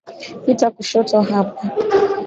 Pita kushoto hapa.